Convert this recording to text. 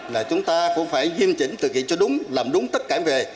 là chúng ta cũng phải diêm chỉnh thực hiện cho đúng làm đúng tất cả những việc